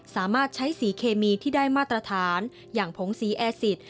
สามารถใช้สีเคมีที่ได้มาตรฐานอย่างผงสีแอร์ซิต